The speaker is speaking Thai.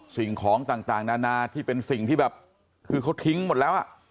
สิ่งของต่างนานาที่เป็นสิ่งที่แบบคือเขาทิ้งหมดแล้วอ่ะ